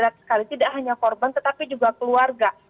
berat sekali tidak hanya korban tetapi juga keluarga